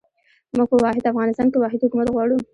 موږ په واحد افغانستان کې واحد حکومت غواړو.